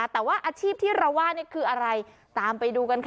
แต่ว่าอาชีพที่เราว่านี่คืออะไรตามไปดูกันค่ะ